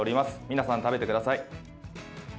皆さん、食べてください。